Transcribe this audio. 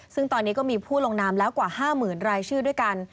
ซึ่งตอนนี้ก็มีผู้ลงนามแล้วกว่า๕๐๐๐รายชื่อด้วยกัน